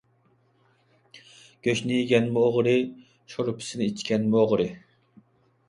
گۆشنى يىگەنمۇ ئوغرى، شورپىسىنى ئىچكەنمۇ ئوغرى.